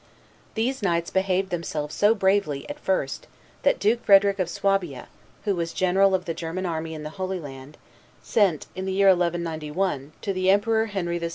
These knights behaved themselves so bravely, at first; that Duke Frederick of Swabia, who was general of the German army in the Holy Land, sent, in the year 1191, to the Emperor Henry VI.